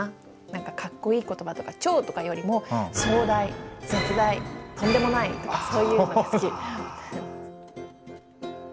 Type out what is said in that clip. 何かかっこいい言葉とか「超」とかよりも「壮大」「絶大」「とんでもない」とかそういうのが好き。